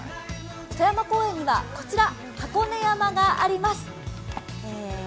戸山公園には、こちら箱根山があります。